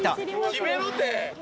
決めろて！